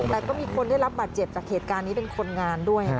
แต่ก็มีคนได้รับบาดเจ็บจากเหตุการณ์นี้เป็นคนงานด้วย